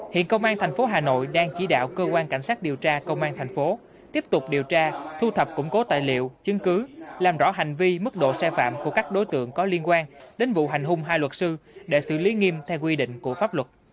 hiện công an thành phố hà nội đang chỉ đạo cơ quan cảnh sát điều tra công an thành phố tiếp tục điều tra thu thập củng cố tài liệu chứng cứ làm rõ hành vi mức độ sai phạm của các đối tượng có liên quan đến vụ hành hung hai luật sư để xử lý nghiêm theo quy định của pháp luật